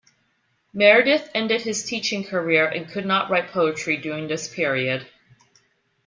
Meredith ended his teaching career and could not write poetry during this period.